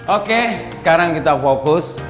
oke sekarang kita fokus